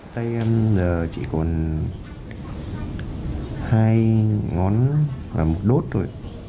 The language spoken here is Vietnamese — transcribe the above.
tay em giờ chỉ còn hai ngón và một đốt thôi